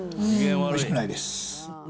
おいしくないです。